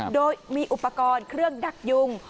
โดยมีอุปกรณ์เครื่องดักยุง